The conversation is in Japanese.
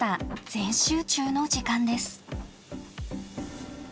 全集中の時間です。